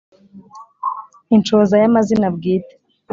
Inshoza ya mazina bwite